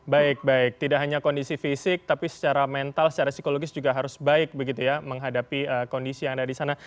baik baik tidak hanya kondisi fisik tapi secara mental secara psikologis juga harus baik begitu ya menghadapi kondisi yang ada di sana